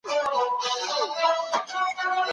الله تعالی د ميرمنو د حقوقو يادونه کړې ده.